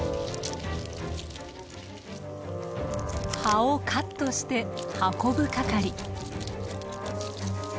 葉をカットして運ぶ係。